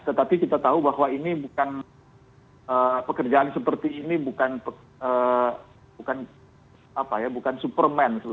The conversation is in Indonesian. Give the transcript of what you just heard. tetapi kita tahu bahwa ini bukan pekerjaan seperti ini bukan superman